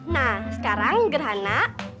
nah sekarang gerhana